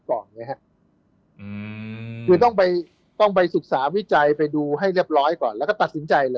คือต้องไปต้องไปศึกษาวิจัยไปดูให้เรียบร้อยก่อนแล้วก็ตัดสินใจเลย